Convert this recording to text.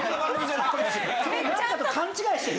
なんかと勘違いしてる。